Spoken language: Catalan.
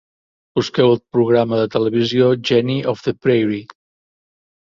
Busqueu el programa de televisió Jenny of the Prairie.